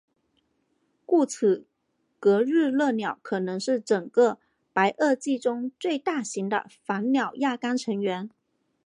故此格日勒鸟可能是整个白垩纪中最大型的反鸟亚纲成员。